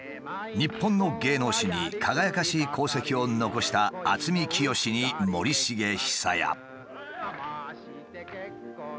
日本の芸能史に輝かしい功績を残した渥美清に森繁久彌。